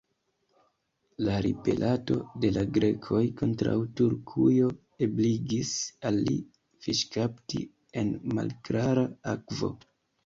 La ribelado de la Grekoj kontraŭ Turkujo ebligis al li fiŝkapti en malklara akvo.